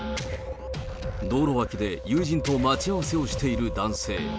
道路脇で友人と待ち合わせをしている男性。